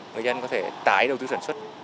người dân có thể tái đầu tư sản xuất